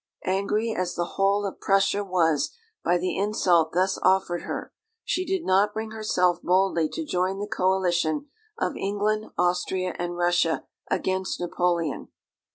Angry as the whole of Prussia was by the insult thus offered her, she did not bring herself boldly to join the coalition of England, Austria, and Russia against Napoleon.